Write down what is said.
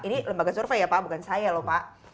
ini lembaga survei ya pak bukan saya lho pak